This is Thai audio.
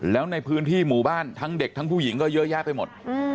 แล้วในพื้นที่หมู่บ้านทั้งเด็กทั้งผู้หญิงก็เยอะแยะไปหมด